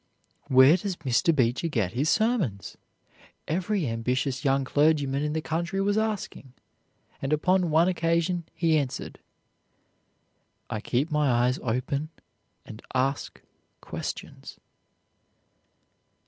"Where does Mr. Beecher get his sermons?" every ambitious young clergyman in the country was asking, and upon one occasion he answered: "I keep my eyes open and ask questions."